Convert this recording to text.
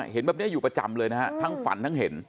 เห็นแบบนี้อยู่ประจำเลยนะฮะทั้งฝันทั้งเห็น